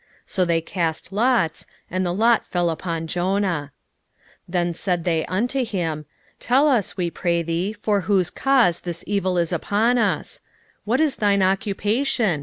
So they cast lots, and the lot fell upon Jonah. 1:8 Then said they unto him, Tell us, we pray thee, for whose cause this evil is upon us; What is thine occupation?